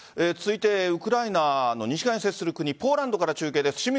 続いて、ウクライナの西側に接する国ポーランドから中継です。